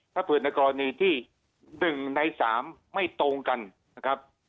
ถ้าเผื่อในกรณีที่๑ใน๓ไม่ตรงกันนะครับ